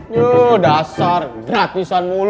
yuu dasar gratisan mulu lu